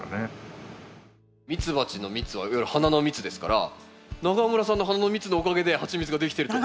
ミツバチの蜜はいわゆる花の蜜ですから永村さんの花の蜜のおかげでハミチツができてると。